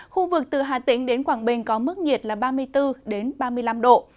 khu vực từ hà tĩnh đến quảng bình có mức nhiệt là ba mươi bốn ba mươi năm độ